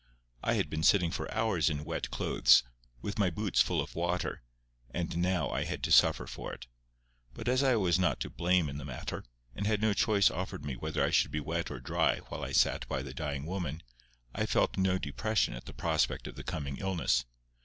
I had been sitting for hours in wet clothes, with my boots full of water, and now I had to suffer for it. But as I was not to blame in the matter, and had no choice offered me whether I should be wet or dry while I sat by the dying woman, I felt no depression at the prospect of the coming illness.